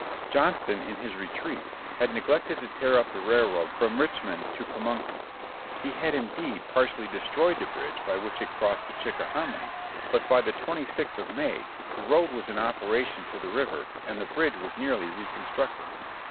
Johnston in his retreat had neglected to tear up the railroad from Richmond to Pamunkey. He had indeed partially destroyed the bridge by which it crossed the Chickahominy, but by the 26th of May the road was in operation to the river, and the bridge was nearly reconstructed.